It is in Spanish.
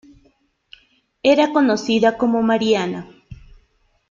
Era conocida como "Mariana".